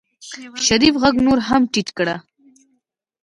شريف غږ نور هم ټيټ کړ.